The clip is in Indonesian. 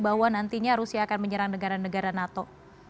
bahwa nantinya rusia akan menyerang negara negara nato